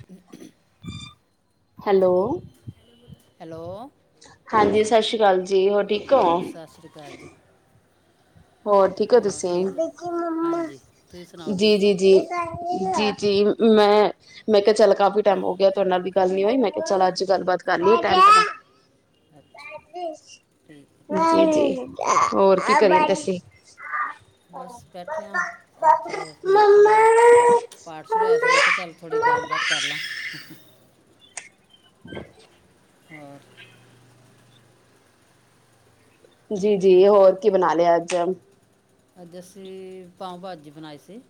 [inaudible] Hello. Hello. ਹਾਂਜੀ ਸਸ਼੍ਰੀ ਕਾਲ ਜੀ ਹੋਰ ਠੀਕ ਹੋ ਸਸਰੀ ਕਾਲ ਜੀ ਹੋਰ ਠੀਕ ਓ ਹੋਰ ਤੁਸੀਂ, ਠੀਕ ਹੋ ਬੱਚੇ ਮੰਮਾ, ਹਾਂਜੀ ਤੁਸੀਂ ਸੁਣਾਓ ਠੀਕ ਹੋ ਜੀ-ਜੀ-ਜੀ ਜੀ- ਜੀ ਅੱਛਾ ਮੈਂ ਮੈਂ ਕਿਹਾ ਚੱਲ ਕਾਫ਼ੀ ਟੈਮ ਹੋ ਗਿਆ ਤੁਹਾਡੇ ਨਾਲ਼ ਵੀ ਗੱਲ ਨੀ ਹੋਈ ਮੈਂ ਕਿਹਾ ਚੱਲ ਅੱਜ ਗੱਲਬਾਤ ਕਰ ਲਈ ਟਾਈਮ [unintelligible] ਅੱਛਾ ਠੀਕ ਆ, ਹਾਂਜੀ ਜੀ-ਜੀ ਹੋਰ ਕੀ ਕਰਦੇ ਸੀ ਠੀ ਬਸ ਬੈਠੇ ਆ ਅੱਜ ਹੁਣ ਥੋੜ੍ਹਾ ਪਾਠ ਸ਼ੁਰੂ ਹੋਇਆਂ ਸੀ ਮੈਂ ਕਿਹਾ ਚੱਲ ਥੋੜ੍ਹੀ ਗੱਲਬਾਤ ਕਰ ਲਾਂ [inaudible] ਹੋਰ ਜੀ-ਜੀ ਹਾਂਜੀ ਹੋਰ ਕੀ ਬਣਾ ਲਿਆ ਅੱਜ ਅੱਜ ਅਸੀਂ ਪਾਓ ਭਾਜੀ ਬਣਾਈ ਸੀ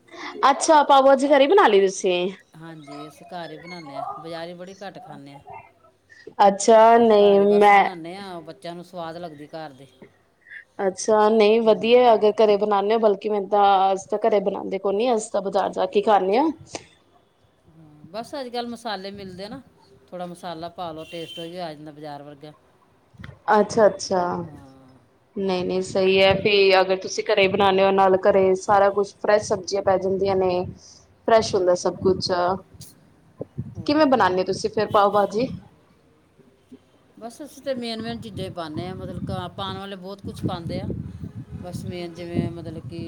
ਅੱਛਾ ਪਾਓ ਬਾਜੀ ਘਰੇ ਬਣਾ ਲਈ ਤੁਸੀਂ ਹਾਂਜੀ ਅਸੀਂ ਘਰ ਹੀ ਬਣਾਣੇ ਆ ਬਜ਼ਾਰ ਹੀ ਬੜੀ ਘੱਟ ਖਾਣੇ ਆ ਅੱਛਾ ਘਰ ਨਹੀਂ ਹੀ ਬਸ ਮੈਂ ਬਣਾਨੇ ਆ ਬੱਚਿਆਂ ਨੂੰ ਸਵਾਦ ਲੱਗਦੀ ਘਰ ਦੀ ਅੱਛਾ ਨਹੀਂ ਵਧੀਆਂ ਅਗਰ ਘਰੇ ਬਣਾਣੇ ਹੋ ਬਲਕਿ ਮੈਂ ਤਾਂ ਅਸੀਂ ਤਾਂ ਘਰੇ ਬਣਾਣੇ ਕੋ ਨੀ ਅਸੀਂ ਤਾਂ ਬਜ਼ਾਰ ਅੱਛਾ ਹੁ ਵੈਸੇ ਅੱਜ ਕੱਲ੍ਹ ਮਸਾਲੇ ਮਿਲ਼ਦੇ ਨਾ ਥੋੜ੍ਹਾ ਮਸਾਲਾ ਪਾ ਲਉ ਟੇਸਟ ਵੀ ਆ ਜਾਂਦਾ ਬਾਜ਼ਾਰ ਵਰਗਾ ਅੱਛਾ-ਅੱਛਾ ਹਾਂ ਨਹੀਂ-ਨਹੀਂ ਸਹੀ ਹੈ ਵੀ ਅਗਰ ਤੁਸੀਂ ਘਰੇ ਬਣਾਣੇ ਓ ਨਾਲ਼ ਘਰੇ ਸਾਰਾ ਕੁਛ ਫਰੈਸ਼ ਸਬਜ਼ੀਆਂ ਪੈ ਜਾਂਦੀਆਂ ਨੇ ਫਰੈਸ਼ ਹੁੰਦਾ ਹਾਂਜੀ ਸਭ ਕੁਛ ਆ ਹੋਰ ਕਿਵੇਂ ਬਣਾਣੇ ਓ ਫ਼ੇਰ ਤੁਸੀਂ ਪਾਓ ਬਾਜੀ ਬਸ ਅਸੀਂ ਤਾਂ ਮੇਨ -ਮੇਨ ਚੀਜ਼ਾਂ ਈ ਪਾਣੇ ਆ ਮਤਲਬ ਪਾਣ ਵਾਲੇ ਬਹੁਤ ਕੁਛ ਪਾਂਦੇ ਆ ਬਸ ਮੇਨ ਜੀ ਜਿਵੇਂ ਮਤਲਬ ਕਿ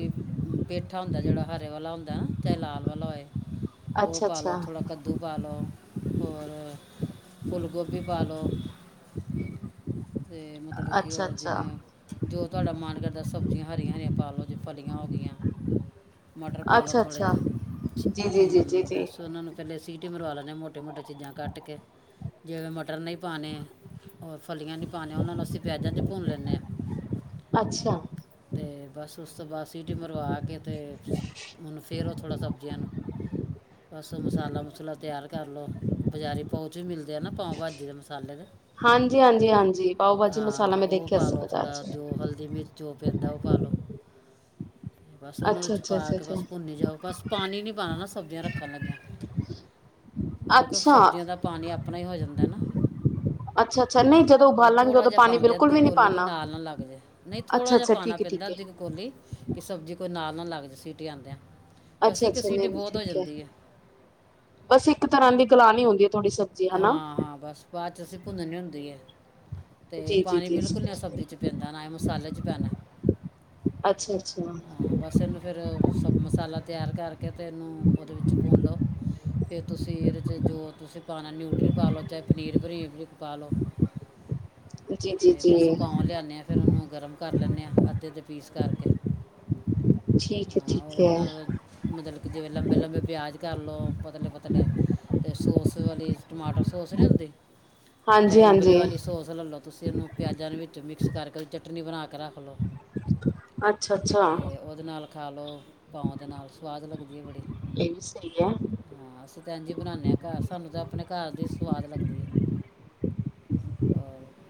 ਪੇਠਾ ਹੁੰਦਾ ਜਿਹੜਾ ਹਰੇ ਵਾਲਾ ਹੁੰਦਾ ਨਾ ਚਾਹੇ ਲਾਲ ਵਾਲਾ ਹੋਏ ਉਹ ਅੱਛਾ ਪਾ ਲਓ ਅੱਛਾ ਥੋੜ੍ਹਾ ਕੱਦੂ ਪਾ ਲਓ ਹੋਰ ਫੁੱਲ ਗੋਭੀ ਪਾ ਲਓ ਤੇ ਮਤਲਬ ਕਿ ਅੱਛਾ ਹੋਰ ਅੱਛਾ ਜਿਵੇਂ ਜੋ ਤੁਹਾਡਾ ਮਨ ਕਰਦਾ ਸਬਜ਼ੀਆਂ ਹਰੀਆਂ-ਹਰੀਆਂ ਪਾ ਲਓ ਜੇ ਫਲੀਆਂ ਹੋ ਗਈਆਂ ਮਟਰ ਪਾ ਲਓ ਅੱਛਾ ਥੋੜ੍ਹੇ ਅੱਛਾ ਜੇ ਜੀ ਹੁ ਜੀ ਜੀ ਜੀ ਜੀ ਬਸ ਉਹਨਾਂ ਨੂੰ ਪਹਿਲੇ ਸੀਟ ਮਰਵਾ ਲੈਣੇ ਹ ਮੋਟੇ- ਮੋਟੇ ਚੀਜ਼ਾਂ ਕੱਟ ਕੇ ਜੇ ਮਟਰ ਨਹੀਂ ਪਾਣੇ ਔਰ ਫਲੀਆਂ ਨੀ ਪਾਨੀਆਂ ਉਹਨਾਂ ਨੂੰ ਅਸੀਂ ਪਿਆਜਾਂ ਚ ਭੁੰਨ ਲੈਣੇ ਆ ਅੱਛਾ। ਤੇ ਬਸ ਉਸ ਤੋਂ ਬਾਅਦ ਸੀਟੀ ਮਰਵਾ ਕੇ, ਤੇ ਮੈਨੂੰ ਫ਼ੇਰ ਥੋੜ੍ਹਾ ਸਬਜ਼ੀਆਂ ਨੂੰ, ਬਸ ਮਸਾਲਾ ਮੋਸਾਲਾ ਤਿਆਰ ਕਰ ਲਉ। ਬਜ਼ਾਰੀ ਪੋਚ ਵੀ ਮਿਲਦੇ ਆ ਨਾ ਪਾਓ ਭਾਜੀ ਦੇ ਮਸਾਲੇ ਦੇ। ਹਾਂਜੀ- ਹਾਂਜੀ- ਹਾਂਜੀ ਪਾਓ ਭਾਜੀ ਮਸਾਲਾ ਹਾਂ ਮੈਂ ਉਹ ਦੇਖਿਆ ਪਾ ਸੀ ਲਓ ਬਾਜ਼ਾਰ ਥੋੜ੍ਹਾ ਚ ਜੋ ਹਲਦੀ ਮਿਰਚ ਜੋ ਪੈਂਦਾ ਉਹ ਪਾ ਲਓ। ਬਸ ਉਹਨੂੰ ਉਹਦੇ ਅੱਛਾ 'ਚ ਅੱਛਾ ਪਾ ਅੱਛਾ ਕੇ ਅੱਛਾ ਬਸ ਭੁੰਨੀ ਜਾਓ ਬਸ ਪਾਣੀ ਨੀ ਪਾਉਣਾ ਨਾ ਸਬਜ਼ੀਆਂ ਰੱਖਣ ਲੱਗਿਆਂ। [inaudible] ਕਿਉਂਕਿ ਅੱਛਾ ਸਬਜ਼ੀਆਂ ਦਾ ਪਾਣੀ ਆਪਣਾ ਹੀ ਹੋ ਜਾਂਦਾ ਨਾ। ਅੱਛਾ ਅੱਛਾ ਨਹੀਂ ਜਦੋਂ ਬਸ ਉਬਾਲਾਂਗੇ ਥੋੜ੍ਹਾ ਉਦੋਂ ਜਾ ਪਾਣੀ ਪਾਉਂਦੇ ਬਿਲਕੁਲ ਅੱਧੀ ਵੀ ਨਹੀਂ ਕੋਲੀ ਫੇ ਪਾਉਣਾ ਨਾਲ਼ ਨਾ ਲੱਗ ਜਾਏ। ਅੱਛਾ ਥੋੜ੍ਹਾ ਜਾ ਅੱਛਾ ਪਾਣਾ ਠੀਕ ਹੈ ਪੈਂਦਾ ਠੀਕ ਹੈ ਅੱਧੀ ਕ ਕੋਲੀ ਕਿ ਸਬਜ਼ੀ ਕੋਈ ਨਾਲ਼ ਨਾ ਲੱਗ ਜੇ ਸੀਟ ਆਉਂਦਿਆਂ। ਬਸ ਅੱਛਾ ਇੱਕ ਅੱਛਾ ਸੀਟ ਨਹੀਂ ਨਹੀਂ ਬਹੁਤ ਹੋ ਠੀਕ ਹੈ ਜਾਂਦੀ ਆ। ਬਸ ਇੱਕ ਤਰ੍ਹਾਂ ਦੀ ਗਲਾਂ ਨੀ ਹੁੰਦੀ ਆ ਥੋੜ੍ਹੀ ਸਬ ਹਾਂ ਬਸ ਬਾਅਦ ਚ ਅਸੀਂ ਭੁੰਨਣੀ ਹੁੰਦੀ ਹੈ। ਤੇ ਜੀ ਜੀ ਪਾਣੀ ਜੀ ਬਿਲਕੁਲ ਨ ਸਬਜ਼ੀ ਚ ਪੈਂਦਾ ਨਾ ਹੀ ਮਸਾਲੇ 'ਚ ਪੈਣਾ। ਅੱਛਾ-ਅੱਛਾ। ਹਾਂ ਬਸ ਇਹਨੂੰ ਫਿਰ ਸ ਮਸਾਲਾ ਤਿਆਰ ਕਰਕੇ ਅਤੇ ਇਹਨੂੰ ਉਹਦੇ ਵਿੱਚ ਭੁੰਨ ਲਉ। ਫਿਰ ਤੁਸੀਂ ਇਹਦੇ 'ਚ ਜੋ ਤੁਸੀਂ ਪਾਣਾ ਨਿਊਟਰੀ ਪਾਲੋ ਚਾਹੇ ਪਨੀਰ ਬਰੀਕ- ਬਰੀਕ ਪਾ ਲੋ। ਜੀ ਜੀ ਜੀ ਤੇ ਬਸ ਪਾਹ ਲਿਆਣੇ ਆ। ਫਿਰ ਉਹਨੂੰ ਗਰਮ ਕਰ ਲੈਂਦੇ ਹਾਂ ਅੱਧੇ-ਅੱਧੇ ਪੀਸ ਕਰਕੇ। ਠੀਕ ਹੈ ਹਾਂ ਠੀਕ ਇਹਦੇ ਹੈ ਨਾਲ, ਮਤਲਬ ਕਿ ਜਿਵੇਂ ਲੰਬੇ-ਲੰਬੇ ਪਿਆਜ ਕਰ ਲਓ। ਪਤਲੇ-ਪਤਲੇ ਤੇ ਸੋਸ ਵਾਲੀ ਟਮਾਟਰ ਸੋਸ ਨੀ ਹੁੰਦੀ। ਹਾਂਜੀ ਚਾਹੇ ਇਬਲੀ ਹਾਂਜੀ ਵਾਲੀ ਸੌਸ ਲੈ ਲਓ ਤੁਸੀਂ ਇਹਨੂੰ ਪਿਆਜ਼ਾਂ ਦੇ ਵਿੱਚ ਮਿਕਸ ਕਰਕੇ ਚਟਨੀ ਬਣਾ ਕੇ ਰੱਖ ਲਓ। ਅੱਛਾ-ਅੱਛਾ। ਤੇ ਉਹਦੇ ਨਾਲ ਖਾ ਲਉ, ਪਾਓ ਦੇ ਨਾਲ ਸਵਾਦ ਲੱਗਦੀ ਹੈ ਬੜੀ। ਇਹ ਵੀ ਸਹੀ ਹੈ। ਹਾਂ ਅਸੀਂ ਇੰਝ ਹੀ ਬਣਾਉਦੇ ਹਾਂ ਘਰ ਸਾਨੂੰ ਤਾਂ ਆਪਣੇ ਘਰ ਦੀ ਸਵਾਦ ਲੱਗਦੀ ਏ।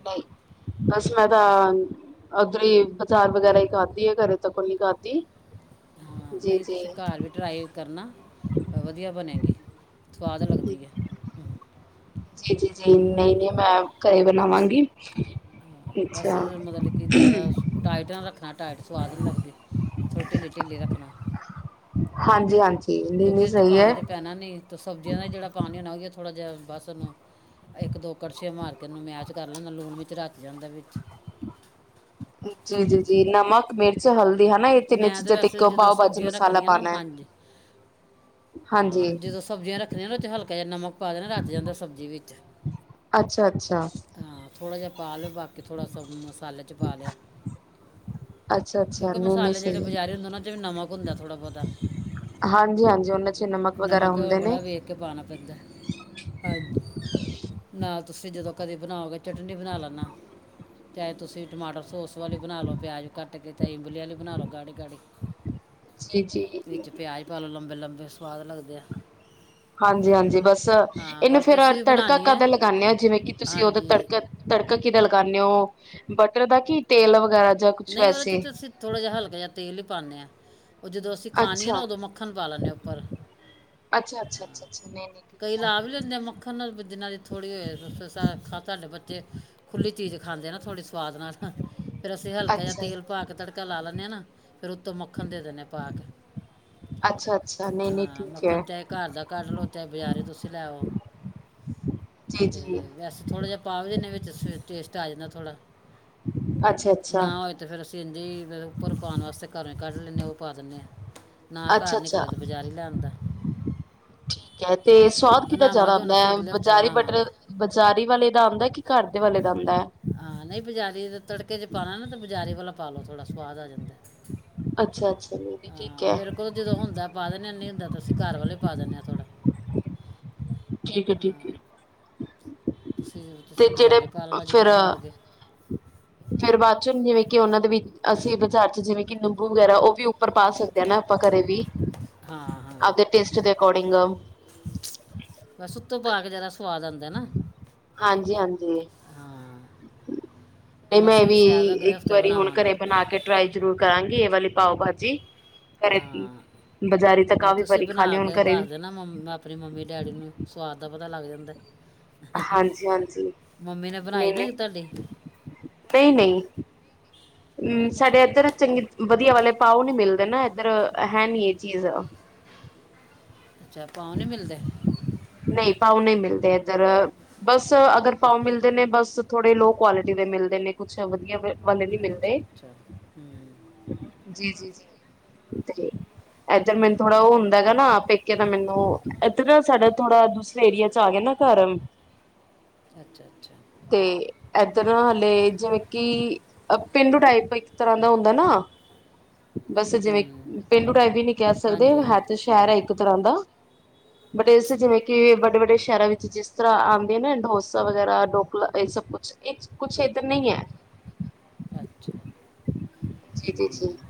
ਨਹੀਂ ਬਸ ਮੈਂ ਤੁਸੀਂ ਤਾਂ ਓਧਰ ਹੀ ਬਾਜ਼ਾਰ ਵਗੈਰਾ ਹੀ ਖਾਧੀ ਆ ਘਰੇ ਤੱਕ ਨੀ ਖਾਧੀ। ਹਾਂ ਜੀ ਨਹੀਂ ਜੀ ਤੁਸੀਂ ਘਰ ਵੀ ਟਰਾਈਵ ਕਰਨਾ, ਵਧੀਆ ਬਣੇਗੀ। ਸਵਾਦ ਲੱਗਦੀ ਏ। ਜੀ- ਜੀ -ਜੀ, ਨਹੀ-ਨਹੀ ਮੈਂ ਘਰੇ ਬਣਾਵਾਂਗੀ। ਹਾਂ, ਅੱਛਾ। ਨਾਇਟ ਨਾ ਰੱਖਣਾ ਟਾਈਟ ਸਵਾਦ ਨਹੀਂ ਲੱਗਦੀ, ਥੋੜੀ ਢਿੱੱਲੀ-ਢਿੱੱਲੀ ਰੱਖਣਾ। ਹਾਂਜੀ-ਹਾਂਜੀ। ਕਿਉਂਕਿ ਇਹਦੇ 'ਚ ਪਾਣੀ ਤਾਂ ਪੈਣਾ ਨੀ ਸਬਜ਼ੀਆਂ ਦਾ ਹੀ ਜਿਹੜਾ ਪਾਣੀ ਹੋਣਾ ਉਹਹੀ ਹੈ ਥੋੜ੍ਹਾ ਜਿਹਾ ਬਸ ਉਹਨੂੰ ਇੱਕ ਦੋ ਕੜਛੇ ਮਾਰ ਕੇ ਇਹਨੂੰ ਮੈਚ ਕਰ ਲੈਂਦਾ ਲੂਣ ਵਿੱਚ ਰਚ ਜਾਂਦਾ ਵਿੱਚ। ਜੀ- ਜੀ-ਜੀ ਨਮਕ ਮਿਰਚ, ਹਲਦੀ ਇਹ ਤਿੰਨੇ ਮੈਂ ਤਾਂ ਚੀਜ਼ਾਂ ਤੇ ਇੱਕ ਵੈਸੇ ਜਦੋਂ ਪਾਓ ਭਾਜੀ ਸਬਜ਼ੀਆਂ ਮਸਾਲਾ ਰੱਖਣੀਆਂ ਨਾ ਪਾਣਾ। ਹਾਂਜੀ ਹਾਂ ਜਦੋਂ ਸਬਜ਼ੀਆਂ ਰੱਖਣੀਆਂ ਨਾ ਉਹ ਚ ਹਲਕਾ ਜਿਹਾ ਨਮਕ ਪਾ ਦੇਣਾ ਰਚ ਜਾਂਦਾ ਸਬਜ਼ੀ ਵਿੱਚ। ਅੱਛਾ-ਅੱਛਾ। ਹਾਂ ਥੋੜ੍ਹਾ ਜਿਹਾ ਪਾ ਲਿਓ ਬਾਕੀ ਥੋੜ੍ਹਾ ਸ ਮਸਾਲੇ 'ਚ ਪਾ ਲਿਆ। ਅੱਛਾ ਅੱਛਾ ਕਿਉਂਕਿ ਨਹੀਂ ਨਹੀਂ ਮਸਾਲੇ ਜਿਹੜੇ ਸਹੀ ਹੈ। ਬਜ਼ਾਰੀ ਹੁੰਦੇ ਉਹਨਾਂ 'ਚ ਵੀ ਨਮਕ ਥੋੜਾ ਬਹੁਤਾ। ਹਾਂਜੀ-ਹਾਂਜੀ ਉਹਨਾਂ 'ਚ ਨਮਕ ਵਗੈਰਾ ਹੁੰਦਾ। ਬੜਾ ਵੇਖ ਕੇ ਪਾਉਣਾ ਪੈਂਦਾ ਨਾਲ ਤੁਸੀਂ ਜਦੋਂ ਕਦੇ ਬਣਾਓਗੇ ਚਟਨੀ ਬਣਾ ਲੈਣਾ ਚਾਹੇ ਤੁਸੀਂ ਟਮਾਟਰ ਸੋਸ ਵਾਲੇ ਬਣਾ ਲਉ ਪਿਆਜ ਕੱਟ [unintelligible] ਬੁਲੀ ਵਾਲ ਲਉ ਗਾੜੇ-ਗਾੜੇ ਜੀ-ਜੀ। ਪਿਆਜ ਪਾ ਲੋ ਲੰਬੇ-ਲੰਬੇ ਸਵਾਦ ਲੱਗਦੇ ਆ। ਹਾਂਜੀ-ਹਾਂਜੀ ਬੱਸ ਹਾਂ ਇਹਨੂੰ ਬਲਕਿ ਫੇਰ ਅਸੀਂ ਵੀ ਤੜਕਾ ਬਣਾਉਣੀ ਕਦ ਹੈ ਲਗਾਣੇ ਹੋ ਜਿਵੇਂ ਕਿ ਤੁਸੀਂ ਉਹਦ ਹਾਂਜੀ ਤੜਕਾ ਤੜਕਾ ਕਿਹਦਾ ਲਗਾਉਣੇ ਓ ਬਟਰ ਦਾ ਕੀ ਤੇਲ ਵਗੈਰਾ ਜਾਂ ਕੁਛ ਨਹੀਂ ਵੈਸੇ ਉਹਦੇ 'ਚ' ਤਾਂ ਥੋੜ੍ਹਾ ਜਿਹਾ ਹਲਕਾ ਜਿਹਾ ਤੇਲ ਹੀ ਪਾਣੇ ਆ ਉਹ ਜਦੋਂ ਅਸੀਂ ਖਾਣੀ ਹੈ ਨਾ ਉਦੋਂ ਮੱਖਣ ਪਾ ਲੈਂਣੇ ਆ ਉੱਪਰ ਅੱਛਾ-ਅੱਛਾ, ਅੱਛਾ-ਅੱਛਾ, ਨਹੀਂ ਠੀਕ ਕਈ ਹੈ ਲਾ ਵੀ ਲੈਂਦੇ ਮੱਖਣ ਜਿੰਨ੍ਹਾਂ ਦੀ ਥੋੜ੍ਹੀ [unintelligible] ਬੱਚੇ ਖੁੱਲੀ ਚੀਜ਼ ਖਾਂਦੇ ਆ ਨਾ ਥੋੜ੍ਹੀ ਸਆਦ ਨਾਲ, ਫੇਰ ਅਸੀਂ [unintelligible] ਅੱਛਾ ਤੇਲ ਪਾ ਕੇ ਤੜਕਾ ਲਾ ਲੈਂਣੇ ਆ ਨਾ ਫੇਰ ਉੱਤੋਂ ਮੱਖਣ ਦੇ ਦੀਣੇ ਆ ਪਾ ਕੇ ਅੱਛਾ-ਅੱਛਾ, ਨਹੀ-ਨਹੀ ਹਾਂ ਠੀਕ ਏ ਮੱਖਣ ਚਾਹੇ ਘਰ ਦਾ ਕੱਢ ਲਉ [unintelligible] ਤੇ ਜੀ ਜੀ ਵੈਸੇ ਥੋੜ੍ਹਾ ਜਿਹਾ ਪਾ ਵੀ ਦੀਨੇ ਵਿੱਚ ਸ-ਟੇਸਟ ਆ ਜਾਂਦਾ ਥੋੜ੍ਹਾ ਅੱਛਾ। ਅੱਛਾ ਨਾ ਹੋਏ ਤਾਂ ਫਿਰ ਅਸੀਂ ਇੰਝ ਹੀ ਫਿਰ ਉੱਪਰ ਪਾਉਣ ਵਾਸਤੇ ਘਰੋਂ ਕੱਢ ਲੈਂਣੇ ਆ ਉਹ ਪਾ ਦੀਣੇ ਆਂ। ਨਾ ਘਰ ਅੱਛਾ ਅੱਛਾ ਨਿਕਲ ਤੇ ਬਜ਼ਾਰੀ ਲੈ ਆਦਾ [inaudible] ਠੀਕ ਐ, ਤੇ ਸਵਾਦ ਕਿਦਾ ਜਿਆਦਾ ਹੁਣ ਅਸੀਂ ਆਉਂਦਾ ਅਗਲੇ ਹਫਤੇ ਬਜਾਰੀ ਬਣਾਵਾਂਗੇ ਬਟਰ ਬਜ਼ਾਰੀ ਵਾਲੇ ਦਾ ਆਉਂਦਾ ਕਿ ਘਰ ਦੇ ਵਾਲੇ ਦਾ ਆਉਂਦਾ ਐ। ਹਾਂ ਨਹੀਂ ਬਜ਼ਾਰੀ ਤੜਕੇ 'ਚ' ਪਾਣਾ ਨਾ ਤੇ ਬਾਜ਼ਾਰੀ ਵਾਲਾ ਪਾਲੋ ਥੋੜ੍ਹਾ ਸਵਾਦ ਆ ਜਾਂਦਾ। ਅੱਛਾ ਅੱਛਾ ਨਹੀਂ [inaudible] ਨਹੀਂ ਠੀਕ ਹਾਂ ਹੈ ਮੇਰੇ ਕੋਲ ਜਦੋਂ ਹੁੰਦਾ ਪਾ ਦੀਣੇ ਨਹੀਂ ਹੁੰਦਾ ਅਸੀਂ ਘਰ ਵਾਲੇ ਪਾ ਦੀਣੇ ਆ ਥੋੜਾ ਠੀਕ [unintelligible] [inaudible] ਤੇ ਤੁਸੀਂ-ਤੁਸੀਂ ਜਿਹੜੇ ਬਜ਼ਾਰੀ ਪਾ ਲੈਣਾ ਜਦੋਂ ਬਣਾਉਗੇ। ਫੇਰ ਬਾਅਦ ਚੋਂ ਜਿਵੇਂ ਕਿ ਉਹਨਾਂ ਦੇ ਵਿੱਚ ਅਸੀਂ ਬਾਜ਼ਾਰ 'ਚ' ਜਿਵੇਂ ਕਿ ਨਿੰਬੂ ਵਗੈਰਾ ਉਹ ਵੀ ਉੱਪਰ ਪਾ ਸਕਦੇ ਹਨਾ ਆਪਾਂ ਘਰੇ ਵੀ ਹਾਂ-ਹਾਂ ਆਪਦੇ ਟੇਸਟ ਦੇ ਅਕੋਰਡਿੰਗ [inaudible] ਬੱਸ ਉੱਤੋਂ ਪਾ ਕੇ ਜਿਆਦਾ ਸਵਾਦ ਆਂਦਾ ਨਾ। ਹਾਂਜੀ-ਹਾਂਜੀ। ਹਾਂ। ਤੇ ਹੁਣ ਮੈਂ ਅਸੀਂ ਵੀ ਸ਼ਾਇਦ ਅਗਲੇ ਇੱਕ ਹਫਤੇ ਵਾਰੀ ਹੁਣ ਬਣਾਵਾਂਗੇ ਘਰੇ ਬਣਾ ਕੇ ਟਰਾਈ ਜ਼ਰੂਰ ਕਰਾਂਗੀ ਇਹ ਵਾਲੀ ਪਾਉ ਭਾਜੀ ਘਰੇ ਵੀ, ਹਾਂ ਬਜ਼ਾਰੀ ਤਾਂ ਕਾਫ਼ੀ ਵਾਰੀ ਖਾ ਲੀ ਹੁਣ ਘਰੇ ਵੀ [unintelligible] ਫਿਰ ਮੰਮੀ-ਡੈਡੀ ਨੂੰ ਸਵਾਦ ਦਾ ਪਤਾ ਲੱਗ ਜਾਂਦਾ। ਹਾਂਜੀ ਹਾਂਜੀ [unintelligible] [inaudible] ਮੰਮੀ ਨੇ ਬਣਾਈ ਨਾ ਤੁਹਾਡੇ ਨਹੀਂ-ਨਹੀਂ, [inaudible] ਸਾਡੇ ਅੱਛਾ ਇੱਧਰ ਚੰਗੀ ਵਧੀਆ ਵਾਲੇ ਪਾਉ ਨੀ ਮਿਲਦੇ ਨਾ ਇੱਧਰ ਹੈ ਨੀ ਇਹ ਚੀਜ਼ ਅੱਛਾ, ਪਾਉ ਨੀ ਮਿਲਦੇ। ਨਹੀਂ ਪਾਉ ਨਹੀਂ ਮਿਲਦੇ ਇੱਧਰ ਬੱਸ ਅਗਰ ਪਾਉ ਮਿਲਦੇ ਨੇ ਬੱਸ ਥੋੜੇ ਲੋਹ ਕੁਆਲਿਟੀ ਦੇ ਮਿਲਦੇ ਨੇ ਕੁਛ ਵਧੀਆ ਵਾਲੇ ਨਹੀਂ ਅੱਛਾ ਮਿਲਦੇ ਅੱਛਾ ਹੂੰ [inaudible] ਜੀ-ਜੀ-ਜੀ, ਤੇ ਇੱਧਰ ਮੈਨੂੰ ਥੋੜਾ ਉਹ ਚਲੋ ਹੁੰਦਾ ਗਾ ਨਾ ਪੇਕੇ ਤਾਂ ਮੈਨੂੰ ਇੱਧਰ ਨਾ ਸਾਡਾ ਥੋੜਾ ਦੂਸਰੇ ਏਰੀਆ 'ਚ' ਆ ਗਿਆ ਨਾ ਘਰ ਅੱਛਾ-ਅੱਛਾ ਤੇ ਇੱਧਰ ਹਲੇ ਜਿਵੇਂ ਕਿ ਪੇਂਡੂ ਟਾਈਪ ਇੱਕ ਤਰ੍ਹਾਂ ਦਾ ਹੁੰਦਾ ਨਾ ਬਸ ਜਿਵੇਂ ਹੂੰ ਪੇਂਡੂ ਟਾਈਪ ਵੀ ਨੀ ਕਹਿ ਸਕਦੇ ਹਾਂਜੀ ਹੈ ਹਾਂਜੀ ਤੇ ਸ਼ਹਿਰ ਹੈ ਇੱਕ ਤਰ੍ਹਾਂ ਦਾ [unintelligible] ਵੱਡੇ-ਵੱਡੇ ਸ਼ਹਿਰਾਂ ਵਿੱਚ ਜਿਸ ਤਰ੍ਹਾਂ ਆਂਦੇ ਆ ਨਾ ਡੋਸਾ ਵਗੈਰਾ, ਡੋਕਲਾ ਇਹ ਸਭ ਕੁੱਛ ਇਹ ਕੁੱਛ ਇੱਧਰ ਨਹੀਂ ਐ। ਅੱਛਾ! ਜੀ-ਜੀ-ਜੀ ਹੂੰ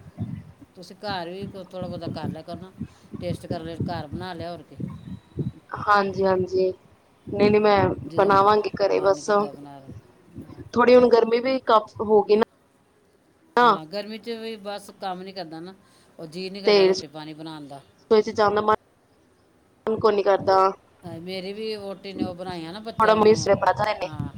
ਤੁਸੀਂ ਘਰ ਵੀ ਥੋੜ੍ਹਾ ਬਹੁਤਾ ਕਰ ਲਿਆ ਕਰੋ ਨਾ। ਟੇਸਟ ਕਰ ਲਿਆ, ਘਰ ਬਣਾ ਲਿਆ ਹੋਰ ਕੀ [inaudible] ਹਾਂਜੀ-ਹਾਂਜੀ, ਨਹੀਂ-ਨਹੀਂ ਮੈਂ ਜਦੋਂ ਬਣਾਵਾਂਗੀ ਘਰੇ ਮਨ ਬਸ, ਕੀਤਾ ਬਣਾ ਲਿਆ ਹਾਂ। ਥੋੜ੍ਹੀ ਹੁਣ ਗਰਮੀ ਵੀ ਕਾਫ ਹੋ ਗਈ ਨਾ ਹਾਂ ਗਰਮੀ 'ਚ' ਵੀ ਬਸ ਕੰਮ ਨੀ ਕਰਦਾ ਨਾ ਉਹ ਜੀਅ ਨਹੀਂ ਕਰਦਾ ਰੋਟੀ-ਪਾਣੀ ਬਣਾਉਣ ਦਾ [unintelligible] ਕੋਈ ਨਹੀਂ ਕਰਦਾ। ਮੇਰੀ ਵੀ ਵਹੁਟੀ ਨੇ ਉਹ ਬਣਾਈਆਂ ਨਾ ਥੋੜਾ ਬੱਚਿਆਂ ਨੂੰ, ਮਿਸ ਹਾਂ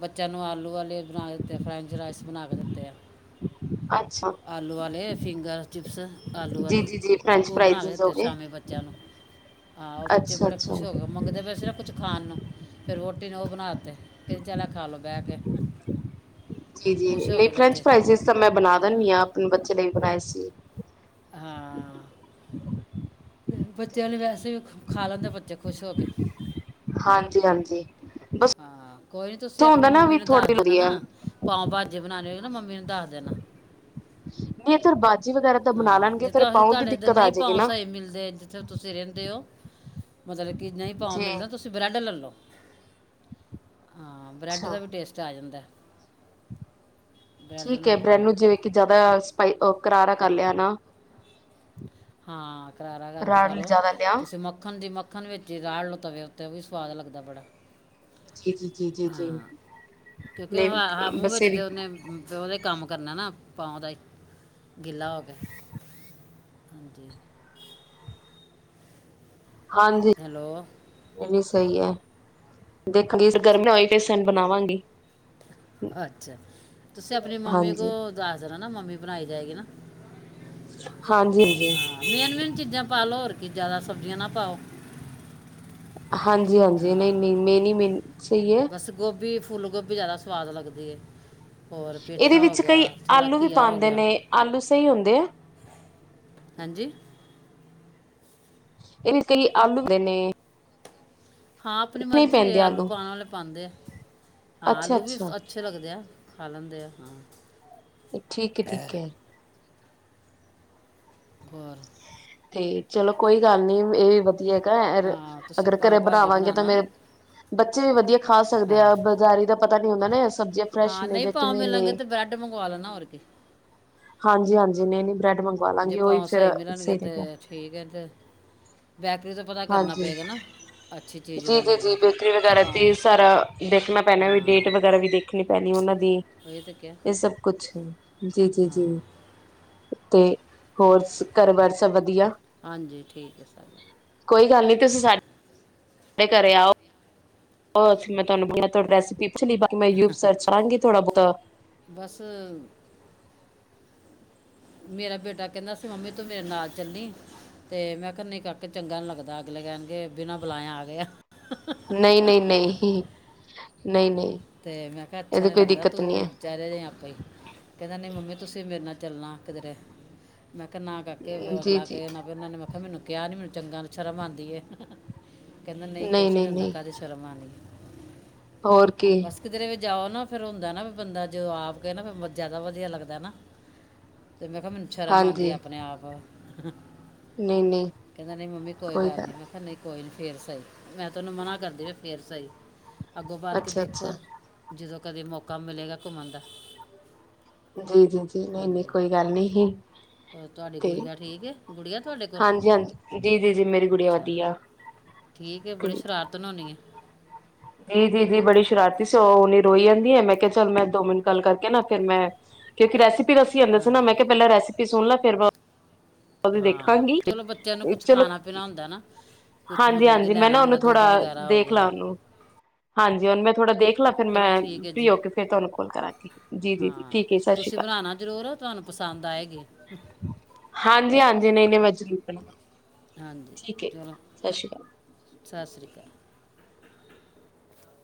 ਬੱਚਿਆਂ ਨੂੰ ਆਲੂ ਵਾਲੇ ਬਣਾ ਦਿੱਤੇ ਆ ਫਰੈਂਚ ਰਾਈਸ ਬਣਾ ਕੇ ਦਿੱਤੇ ਆ। [unintelligible] ਅੱਛਾ! ਆਲੂ ਵਾਲੇ ਫਿੰਗਰ ਚਿਪਸ ਆਲੂ ਜੀ ਵਾਲੇ ਜੀ ਜੀ ਫਰੈਂਚ ਉਹ ਬਣਾ ਫਰਾਈਜ਼ ਕੇ ਹੋ ਦਿੱਤੇ ਗਏ ਸ਼ਾਮੀ ਬੱਚਿਆਂ ਨੂੰ ਹਾਂ ਬੱਚੇ ਅੱਛਾ ਬੜੇ ਅੱਛਾ ਖੁਸ਼ ਹੋ ਮੰਗਦੇ ਫਿਰ ਕੁਝ ਖਾਣ ਨੂੰ ਫਿਰ ਵਹੁਟੀ ਨੇ ਬਣਾ ਤੇ। ਕਹਿੰਦੀ ਚਲ ਆ ਖਾ ਲਓ ਬਹਿ ਕੇ ਜੀ-ਜੀ ਖੁਸ਼ ਹੋ ਮੇਰੀ ਗਏ ਫਰੈਂਡਸ ਬੱਚੇ ਭਾਰੀ ਚੀਜ਼ ਤਾਂ ਮੈਂ ਬਣਾ ਹਾਂ ਦਿੰਨੀ ਆ ਆਪਣੇ ਬੱਚੇ ਲਈ ਬਣਾਏ ਸੀ। ਹਾਂ। ਬੱਚਿਆਂ ਲਈ ਰੈਸਪੀ ਖਾ-ਖਾ ਲੈਂਦਾ ਬੱਚਾ ਖੁਸ਼ ਹੋ ਕੇ। ਹਾਂਜੀ-ਹਾਂਜੀ। ਹਾਂ, ਕੋਈ ਨੀ ਤੁਸੀਂ ਆਪਣੀ ਮੰਮੀ ਨੂੰ ਦੱਸ ਥੋੜੀ ਦੇਣਾ ਹੁੰਦੀ ਹੈ ਨਾ। ਪਾਓ ਭਾਜੀ ਬਣਾਉਣੇ ਹੋਏ ਨਾ ਮੰਮੀ ਨੂੰ ਦੱਸ ਦੇਣਾ। ਨਹੀਂ ਇੱਧਰ ਬਾਜੀ ਵਗੈਰਾ ਤਾਂ ਬਣਾ ਹਾਂ ਲੈਣਗੇ ਫੇਰ ਜਿੱਦਾਂ ਅਸੀਂ ਪਾਉਣ ਦੀ ਤੁਹਾਡੇ ਅੰਦਰ ਦਿੱਕਤ ਆ ਨਹੀਂ ਜਾਏਗੀ ਪਾਸ ਨਾ ਹੋਏ ਮਿਲਦੇ ਇਧਰ ਫਿਰ ਤੁਸੀਂ ਰਹਿੰਦੇ ਹੋ ਮਤਲਬ ਕਿ ਨਹੀਂ ਭਾਅ ਜੀ ਮਿਲਦਾ ਤੁਸੀਂ ਬਰੈੱਡ ਲੈ ਲਉ। ਹਾਂ, ਬ੍ਰੈੱਡ ਦਾ ਅੱਛਾ ਵੀ ਟੇਸਟ ਆ ਜਾਂਦਾ। ਬ੍ਰੈਡ ਠੀਕ ਹੈ ਨਾਲ ਖਾ ਬ੍ਰੈਡ ਲਓ ਨੂੰ ਵੇਖ ਕੇ ਜ਼ਿਆਦਾ ਸਪਾਈ, ਕਰਾਰਾ ਕਰ ਲਿਆ ਨਾ। ਹਾਂ, ਕਰਾਰਾ ਕਰਕੇ ਰਾੜ ਖਾ ਲੋ ਜ਼ਿਆਦਾ ਲਿਆ ਤੁਸੀਂ ਮੱਖਣ ਦੀ ਮ ਮੱਖਣ ਵਿੱਚ ਹੀ ਦਾਲ ਲੱਤਾ ਪਿਆ ਉੱਤੇ ਉਹ ਵੀ ਸੁਵਾਦ ਲੱਗਦਾ ਬੜਾ। ਜੀ-ਜੀ। ਹਾਂ, ਕਿਉਂਕਿ ਹਾਂ ਮੂੰਹ ਬਸ ਵਿੱਚ ਇਹ ਵੀ ਤਾਂ ਉਹਨੇ ਉਹਦੇ ਕੰਮ ਕਰਨਾ ਨਾ ਆਪਾ ਦਾ ਗਿੱਲਾ ਹੋ ਗਿਆ, ਹਾਂਜੀ। ਹਾਂਜੀ ਹੈਲੋ ਇਹ ਵੀ ਸਹੀ ਏ ਦੇਖ 'ਚ' ਅੱਛਾ ਗਰਮੀ ਹੋਈ ਪਲੈਨ ਬਣਾਵਾਂਗੇ। ਅੱਛਾ, ਤੁਸੀਂ ਆਪਣੀ ਮੰਮੀ ਹਾਂਜੀ ਕੋਲ ਦੱਸ ਦੇਣਾ ਨਾ ਮੰਮੀ ਬਣਾਈ ਜਾਏਗੀ ਨਾ। ਹਾਂਜੀ-ਹਾਂਜੀ। ਹਾਂ ਮੇਨ- ਮੇਨ ਚੀਜ਼ਾਂ ਪਾ ਲੋ ਹੋਰ ਕੀ ਜਿਆਦਾ ਸਬਜੀਆਂ ਨਾ ਪਾਓ। ਹਾਂਜੀ-ਹਾਂਜੀ ਹਾਂ ਨਹੀਂ-ਨਹੀਂ ਮੈਂ ਨਹੀਂ ਮੇ ਸਹੀ ਏ। ਬਸ ਗੋਭੀ, ਫੁੱਲ ਗੋਭੀ ਜ਼ਿਆਦਾ ਸਵਾਦ ਲੱਗਦੀ ਏ। ਹੋਰ ਇਹਦੇ ਪੇਠਾ ਹੋ ਵਿੱਚ ਕਈ ਗਿਆ ਥੋੜ੍ਹਾ ਆਲੂ ਵੀ ਘੀਆ ਹੋ ਪਾਉਂਦੇ ਗਿਆ। ਨੇ ਆਲੂ ਸਹੀ ਹੁੰਦੇ ਆ। ਹਾਂਜੀ। ਇਹ ਵੀ ਕਈ ਆਲੂ ਹੁੰਦੇ ਨੇ ਹਾਂ ਆਪਣੀ ਨਹੀਂ ਮਰਜ਼ੀ ਹੈ ਪੈਂਦੇ ਆਲੂ ਪਾਉਣ ਵਾਲੇ ਪਾਉਂਦੇ ਆ ਹਾਂ ਅੱਛਾ ਆਲੂ ਵੀ ਅੱਛਾ ਅ ਅੱਛੇ ਲੱਗਦੇ ਆ ਖਾ ਲੈਂਦੇ ਆ ਹਾਂ। ਠੀਕ ਹੈ, ਠੀਕ ਹੈ। ਬਾਹਰ। ਤੇ ਚਲੋ ਕੋਈ ਗੱਲ ਨੀ ਇਹ ਵੀ ਵਧੀਆ ਗਾ ਰ ਹਾਂ ਤੁਸੀਂ ਅਗਰ ਘਰੇ ਪਾਓ ਭਾਜੀ ਬਣਾਵਾਂਗੇ ਤਾਂ ਬਣਾਣਾ ਮੇ ਬੱਚੇ ਵੀ ਵਧੀਆ ਖਾ ਸਕਦੇ ਆਹੋ। ਆ ਬਜ਼ਾਰੀ ਦਾ ਪਤਾ ਨੀ ਹੁੰਦਾ ਨਾ ਸਬਜ਼ੀਆਂ। ਫਰੈਸ਼ ਹਾਂ ਨੇ ਨਹੀਂ ਜਾਂ ਪਾਓ ਕਿਵੇਂ ਮਿਲਣਗੇ ਨੇ ਤੇ ਬਰੈਡ ਮੰਗਵਾ ਲੈਣਾ ਹੋਰ ਕੀ ਹਾਂਜੀ- ਹਾਂਜੀ ਨਹੀਂ- ਨਹੀਂ ਬ੍ਰੈਡ ਮੰਗਵਾ ਜੇ ਲਾਂਗੇ ਉਹੀ ਪਾਓ ਫਿਰ ਮਿਲਣਗੇ ਸਹੀ ਤੇ ਲੱਗਿਆ। ਠੀਕ ਹੈ ਤੇ ਬੈਕਰੀ ਤੋਂ ਪਤਾ ਕਰਨਾ ਹਾਂਜੀ ਪਏਗਾ ਨਾ। ਅੱਛੀ ਚੀਜ਼ ਜੀ- ਵਾਲੇ ਜੀ- ਜੀ ਬ- ਬੇਕਰੀ ਵਗੈਰਾ ਪਾਓ ਤੇ ਸਾਰਾ ਦੇਖਣਾ ਪੈਣਾ ਵੀ ਡੇਟ ਹਾਂ ਵਗੈਰਾ ਵੀ ਦੇਖ। ਨੀ ਪੈਣੀ ਉਹਨਾਂ ਦੀ ਇਹ ਤਾਂ ਕਿਹਾ ਇਹ ਸਭ ਕੁਛ ਜੀ- ਜੀ- ਜੀ। ਹਾਂ ਤੇ ਹੋਰ ਸ ਘਰ ਬਾਰ ਸਭ ਵਧੀਆ। ਹਾਂਜੀ ਠੀਕ ਹੈ ਸਭ। ਕੋਈ ਗੱਲ ਨੀ ਤੁਸੀਂ ਸਾਡੇ ਘ ਘਰੇ ਆਓ ਬ ਮੈਂ ਤੁਹਾਨੂੰ [unintelligible] ਬਸ। ਮੇਰਾ ਬੇਟਾ ਕਹਿੰਦਾ ਸੀ ਮੰਮੀ ਤੂੰ ਮੇਰੇ ਨਾਲ ਚੱਲੀ ਤੇ ਮੈਂ ਕਿਹਾ ਨਹੀਂ ਕਾਕੇ ਚੰਗਾ ਨੀ ਲੱਗਦਾ ਅਗਲੇ ਕਹਿਣਗੇ, ਬਿਨਾਂ ਬੁਲਾਇਆ ਆ ਗਏ ਆ। ਨਹੀਂ- ਨਹੀਂ, ਨਹੀਂ ਨਹੀਂ- ਨਹੀਂ। ਅਤੇ ਮੈਂ ਕਿਹਾ ਅੱਛਾ ਇਹਦੀ ਨਹੀਂ ਕੋਈ ਲੱਗਦਾ ਦਿੱਕਤ ਨਹੀਂ ਤੂੰ ਚੱਲ ਰਹੇ ਆਪਾ ਹੀ ਕਹਿੰਦਾ ਨਹੀਂ ਮੰਮੀ ਤੁਸੀਂ ਮੇਰੇ ਨਾਲ ਚੱਲਣਾ ਕਿਧਰੇ। ਮੈਂ ਕਿਹਾ ਨਾ ਕਾਕੇ ਹੈ ਜੀ ਅਗਲਾ ਜੀ ਕੇ ਨਾ ਉਹਨਾਂ ਨੇ ਮੈਂ ਕਿਹਾ ਮੈਨੂੰ ਕਿਹਾ ਨੀ ਮੈਨੂੰ ਚੰਗਾ ਸ਼ਰਮ ਆਉਂਦੀ ਹੈ। ਕਹਿੰਦਾ ਨਹੀਂ ਕੁਛ ਨੀ ਹੁੰਦਾ ਕਾਹਦੀ ਸ਼ਰਮ ਆਣੀ ਹੈ। ਹੋਰ ਕੀ ਬਸ ਕਿਧਰੇ ਵੀ ਜਾਓ ਨਾ ਫਿਰ ਹੁੰਦਾ ਨਾ ਵੀ ਬੰਦਾ ਜੋ ਆਪ ਕਹੇ ਨਾ ਫਿਰ ਜ਼ਿਆਦਾ ਵਧੀਆ ਲੱਗਦਾ ਨਾ। ਤੇ ਮੈਂ ਕਿਹਾ ਮੈਨੂੰ ਸ਼ਰਮ ਆਉਂਦੀ ਹਾਂਜੀ ਆ ਆਪਣੇ ਆਪ। ਨਹੀਂ ਨਹੀਂ ਕਹਿੰਦਾ ਨਹੀ ਮੰਮੀ ਕੋਈ ਗੱਲ ਨੀ, ਮੈਂ ਕਿਹਾ ਨਹੀ ਕੋਈ ਨੀ ਫੇਰ ਸਹੀ ਮੈਂ ਤਾਂ ਉਹਨੂੰ ਮਨਾ ਕਰਦੀ ਫੇਰ ਸਹੀ ਅੱਗੋਂ ਬਾਲ ਕੇ ਅੱਛਾ ਦੇਖ ਅੱਛਾ ਜਦੋਂ ਕਦੇ ਮੌਕਾ ਮਿਲੇਗਾ ਘੁੰਮਣ ਦਾ। ਜੀ- ਜੀ- ਜੀ ਨਹੀਂ- ਨਹੀਂ ਹਾਂਜੀ ਕੋਈ ਗੱਲ ਨਹੀਂ ਸੀ। ਹੋਰ ਤੁਹਾਡੀ ਗੁੱਡੀਆਂ ਠੀਕ ਏ। ਗੁੱਡੀਆਂ ਤੁਹਾਡੇ ਕੋਲ, ਹਾਂਜੀ ਹਾਂਜੀ ਜੀ ਜੀ ਜੀ ਮੇਰੀ ਗੁੜੀਆ ਅੱਛਾ ਵਧੀਆ ਠੀਕ ਹੈ ਤੇ ਬੜੀ ਸਰਾਰਤ ਤਨ ਹੋਣੀ ਏ। ਜੀ- ਜੀ -ਜੀ ਬੜੀ ਸ਼ਰਾਰਤੀ ਸੀ ਉਹ -ਉਹ ਨ ਰੋਈ ਜਾਂਦੀ ਹੈ ਮੈਂ ਕਿਹਾ ਚੱਲ ਮੈਂ ਦੋ ਮਿੰਟ ਗੱਲ ਕਰਕੇ ਨਾ ਫਿਰ ਮੈਂ ਕਿਉਂਕਿ ਰੈਸਪੀ ਦੱਸੀ ਜਾਂਦਾ ਸੀ ਨਾ ਮੈਂ ਹਾਂਜੀ ਕਿਹਾ ਪਹਿਲਾ ਰੈਸਪੀ ਸੁਣ ਲ ਫਿਰ ਬਾਦ ਵਿੱਚ ਹਾਂ ਦੇਖਾਂਗੀ, ਚਲੋ ਬੱਚਿਆਂ ਨੂੰ ਕੁਝ ਚਲੋ। ਖਾਣਾ ਪੀਣਾ ਹੁੰਦਾ ਨਾ ਕੁਝ ਹਾਂਜੀ- ਮਤਲਬ ਕਿ ਹਾਂਜੀ ਮੈਂ ਲੈਣਾ ਨਾ ਉਹਨੂੰ ਹੁੰਦਾ ਥੋੜਾ ਦੁੱਧ ਵਗੈਰਾ ਹੋ ਦੇਖ ਗਿਆ ਲਾ ਉਹਨੂੰ ਹਾਂਜੀ ਉਹਨੂੰ ਮੈਂ ਥੋੜ੍ਹਾ ਦੇਖ ਦੇਖਲਾਂ ਫਿਰ ਚਲੋ ਮੈਂ ਠੀਕ ਹੈ ਫਰੀ ਜੀ ਹੋ ਕੇ ਫਿਰ ਤੁਹਾਨੂੰ ਕੋਲ ਕਰਾਂਗੀ ਜੀ-ਜੀ-ਜੀ ਠੀਕ ਹੈ ਸਤਿ ਸ਼੍ਰੀ ਅਕਾਲ। ਹਨਾ ਜ਼ਰੂਰਤ। ਤੁਹਾਨੂੰ ਪਸੰਦ ਆਏਗੀ। ਹਾਂਜੀ - ਹਾਂਜੀ ਨਹੀਂ - ਨਹੀਂ ਮੈਂ ਜ਼ਰੂਰ ਬਣਾਵਾਂਗੀ ਠੀਕ ਹੈ, ਸ਼ਸ਼ੀ ਕਾਲ। ਸਸਰੀ ਕਾਲ।